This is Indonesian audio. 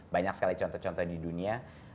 banyak sekali contoh contoh di dunia